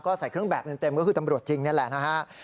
ก็ใส่เครื่องแบบเต็มก็คือตำรวจจริงนี่แหละนะฮะ